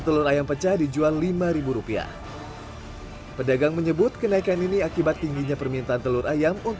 telur ayam pecah dijual lima ribu rupiah pedagang menyebut kenaikan ini akibat tingginya permintaan telur ayam